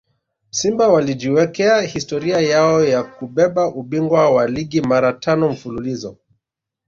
Simba walijiwekea historia yao ya kubeba ubingwa wa ligi mara tano mfululizo